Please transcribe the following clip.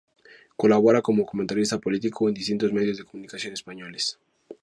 Colabora como comentarista político en distintos medios de comunicación españoles.